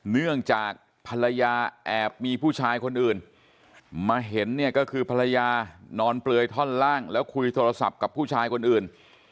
เนื่องจากภรรยาแอบมีผู้ชายคนอื่นมาเห็นเนี่ยก็คือภรรยานอนเปลือยท่อนล่างแล้วคุยโทรศัพท์กับผู้ชายคนอื่น